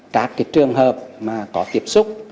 các trường hợp có tiếp xúc